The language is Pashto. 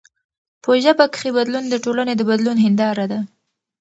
په ژبه کښي بدلون د ټولني د بدلون هنداره ده.